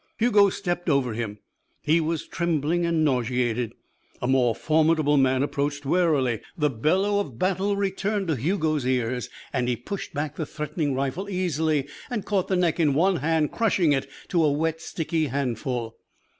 Hugo stepped over him. He was trembling and nauseated. A more formidable man approached warily. The bellow of battle returned to Hugo's ears. He pushed back the threatening rifle easily and caught the neck in one hand, crushing it to a wet, sticky handful.